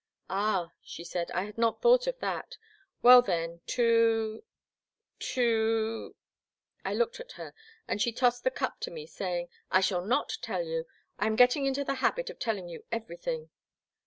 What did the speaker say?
" Ah, she said ; I had not thought of that. Well, then, to— to— " I looked at her and she tossed the cup to me saying, " I shall not tell you. I am getting into the habit of telling you ever3rthing.